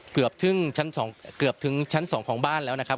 เกือบถึงชั้น๒เกือบถึงชั้น๒ของบ้านแล้วนะครับ